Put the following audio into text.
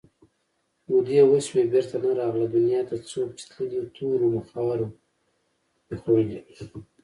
مودې وشوې بېرته نه راغله دنیا ته څوک چې تللي تورو مخاورو دي خوړلي